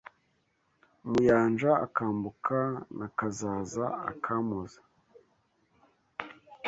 Umuyanja akambuka Na Kazaza akampoza